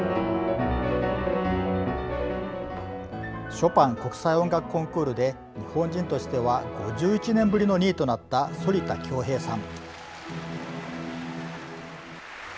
ショパン国際音楽コンクールで日本人としては５１年ぶりの２位となった反田恭平さん。